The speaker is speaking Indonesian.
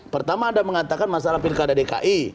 pertama anda mengatakan masalah pilkada dki